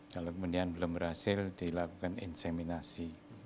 kalau kemudian belum berhasil dilakukan inseminasi